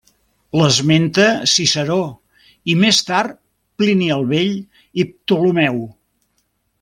L'esmenta Ciceró i més tard Plini el Vell i Ptolemeu.